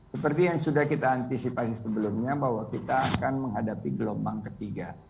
seperti yang sudah kita antisipasi sebelumnya bahwa kita akan menghadapi gelombang ketiga